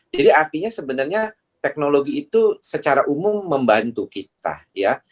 jadi artinya sebenarnya teknologi itu secara umum membantu kita ya